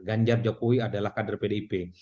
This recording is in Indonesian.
ganjar jokowi adalah kader pdip